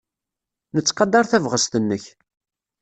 Nettqadar tabɣest-nnek.